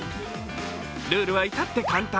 ルールは至って簡単。